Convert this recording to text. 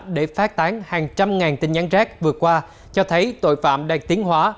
để phát tán hàng trăm ngàn tin nhắn rác vừa qua cho thấy tội phạm đạt tiến hóa